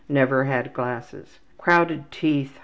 never had glasses. Crowded teeth.